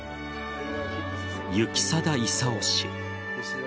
行定勲氏。